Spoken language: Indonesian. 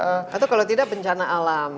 atau kalau tidak bencana alam